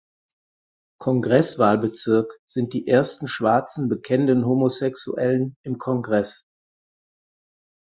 Kongresswahlbezirk sind die ersten schwarzen bekennenden Homosexuellen im Kongress.